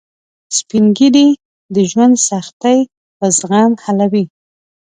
سپین ږیری د ژوند سختۍ په زغم حلوي